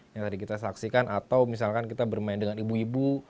yang tadi kita saksikan atau misalkan kita bermain dengan ibu ibu